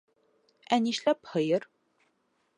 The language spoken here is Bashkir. — Ә нишләп һыйыр?